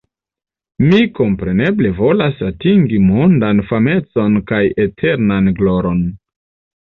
Mi kompreneble volas atingi mondan famecon kaj eternan gloron.